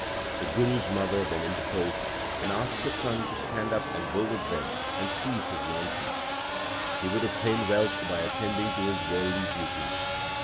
2 The Guru s mother then interposed, and asked her son to stand up and go with them, and cease his nonsense. He would obtain wealth by attending to his worldly duties.